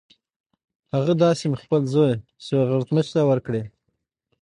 هغه دا سیمې خپل بل زوی سیورغتمش ته ورکړې.